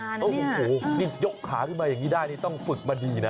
โอ้โหนี่ยกขาขึ้นมาอย่างนี้ได้นี่ต้องฝึกมาดีนะ